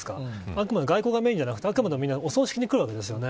あくまで外交がメーンじゃなくてお葬式に来るわけです。